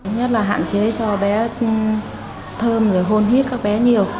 nhất là hạn chế cho bé thơm rồi hôn hít các bé nhiều